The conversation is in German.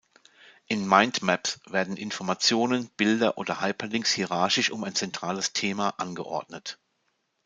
In Mindmaps werden Informationen, Bilder oder Hyperlinks hierarchisch um ein zentrales Thema angeordnet.